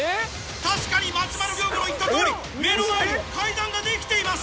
確かに松丸亮吾の言ったとおり目の前に階段ができています。